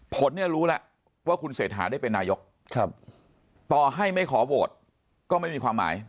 ผลเนี่ยรู้แล้วว่าคุณเศรษฐาได้เป็นนายกต่อให้ไม่ขอโหวตก็ไม่มีความหมาย